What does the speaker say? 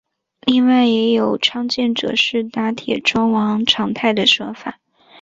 另外也有倡建者是打铁庄王长泰的说法。